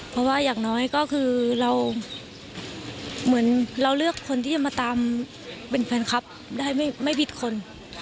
เพราะว่าอย่างน้อยก็คือเราเหมือนเราเลือกคนที่จะมาตามเป็นแฟนคลับได้ไม่ผิดคน